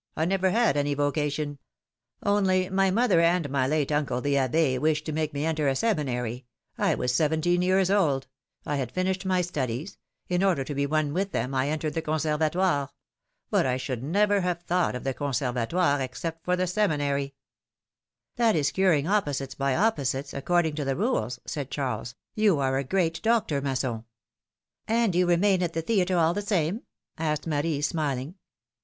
I never had any vocation ! Only my mother and my late uncle the Abb6 wished to make me enter a seminary; I was seventeen years old ; I had finished my studies ; in order to be one with them I entered the Conservatoire; but I should never have thought of the Conservatoire except for the Seminary/^ ^^That is curing opposites by opposites, according to the rules, said Charles : you are a great doctor, Masson/^ ^^And you remain at the theatre, all the same ? asked Marie, smiling.